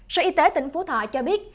sự y tế tỉnh phú thọ cho biết